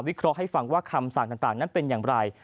เคราะห์ให้ฟังว่าคำสั่งต่างนั้นเป็นอย่างไร